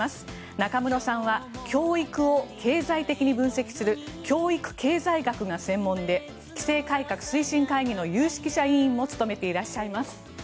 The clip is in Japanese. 中室さんは教育を経済的に分析する教育経済学が専門で規制改革推進会議の有識者委員も務めていらっしゃいます。